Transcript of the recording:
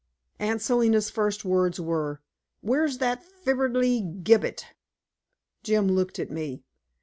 Aunt Selina's first words were: "Where's that flibberty gibbet?" Jim looked at me.